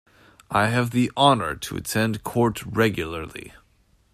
I have the honour to attend court regularly.